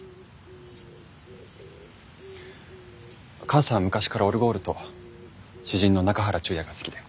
母さんは昔からオルゴールと詩人の中原中也が好きで。